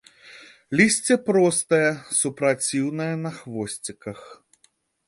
Лісце простае, супраціўнае, на хвосціках.